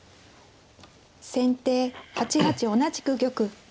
先手８八同じく玉。